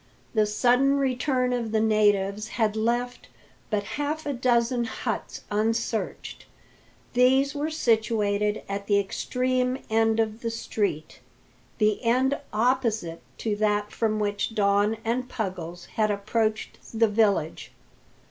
The sudden return of the natives had left but half a dozen huts unsearched. These were situated at the extreme end of the street the end opposite to that from which Don and Puggles had approached the village.